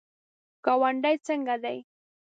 ګاونډی څنګه دی؟